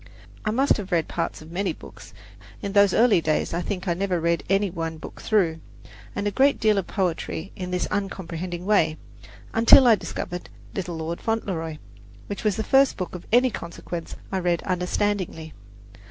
I must have read parts of many books (in those early days I think I never read any one book through) and a great deal of poetry in this uncomprehending way, until I discovered "Little Lord Fauntleroy," which was the first book of any consequence I read understandingly.